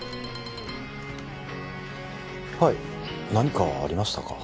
はい何かありましたか？